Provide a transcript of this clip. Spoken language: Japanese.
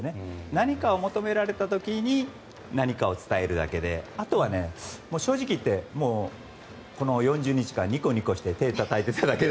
何かを求められた時に何かを伝えるだけであとは正直言ってこの４０日間ニコニコしていえいえ。